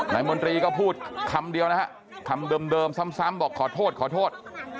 มนตรีก็พูดคำเดียวนะฮะคำเดิมซ้ำบอกขอโทษขอโทษ